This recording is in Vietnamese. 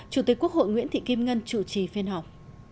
chủ tịch quốc hội nguyễn thị kim ngân chủ trì phiên họp